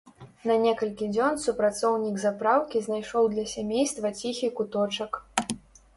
На некалькі дзён супрацоўнік запраўкі знайшоў для сямейства ціхі куточак.